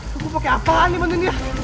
gua pake apaan nih bantuin dia